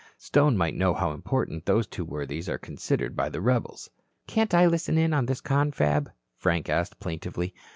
Stone might know how important those two worthies are considered by the rebels." "Can't I listen in on this confab?" Frank asked, plaintively.